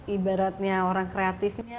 ibaratnya orang kreatifnya